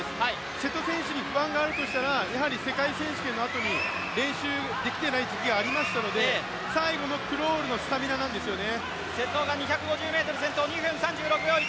瀬戸選手に不安があるとしたら世界選手権のあとに練習できてない時期がありましたので、最後のクロールのスタミナなんですよね。